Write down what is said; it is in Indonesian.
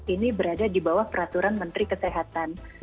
ini berada di bawah peraturan menteri kesehatan